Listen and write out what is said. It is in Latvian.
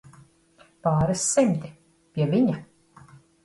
Pāris simti, pie viņa.